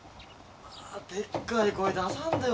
でっかい声出さんで。